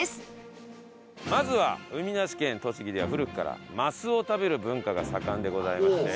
まずは海なし県栃木では古くからマスを食べる文化が盛んでございますね。